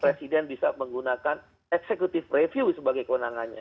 presiden bisa menggunakan executive review sebagai kewenangannya